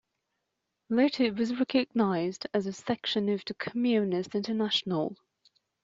Later it was recognized as a section of the Communist International.